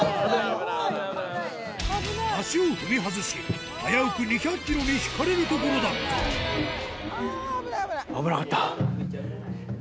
足を踏み外し危うく２００ｋｇにひかれるところだった危ない危ない。